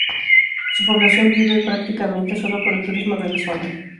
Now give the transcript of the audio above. Su población vive prácticamente sólo por el turismo de la zona.